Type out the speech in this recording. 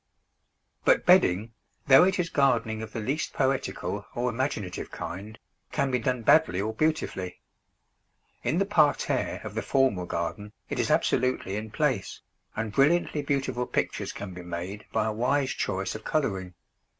But bedding, though it is gardening of the least poetical or imaginative kind, can be done badly or beautifully. In the parterre of the formal garden it is absolutely in place, and brilliantly beautiful pictures can be made by a wise choice of colouring.